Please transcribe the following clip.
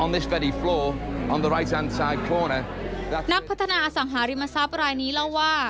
นักพัฒนาอสังหาริมทรัพย์รายนี้เล่าว่า